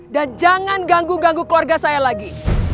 dan jangan ganggu ganggu keluarga saya lagi